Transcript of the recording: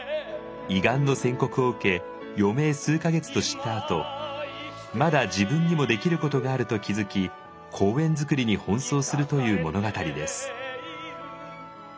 胃がんの宣告を受け余命数か月と知ったあとまだ自分にもできることがあると気付き公園作りに奔走するという物語です。